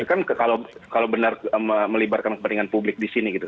itu kan kalau benar melibatkan kepentingan publik di sini gitu